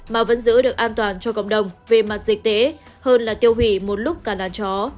mà vẫn giữ được an toàn cho cộng đồng về mặt dịch tế hơn là tiêu hủy một lúc cà đàn chó